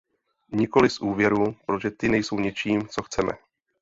Nikoli z úvěrů, protože ty nejsou něčím, co chceme.